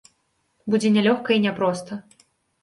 Будзе нялёгка і няпроста.